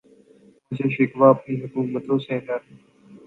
مجھے شکوہ اپنی حکومتوں سے ہے